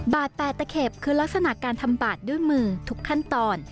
บาท๘ตะเข็บคือลักษณะการทำบาดด้วยมือทุกขั้นตอน